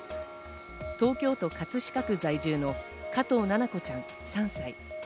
東京都葛飾区在住の加藤七菜子ちゃん、３歳。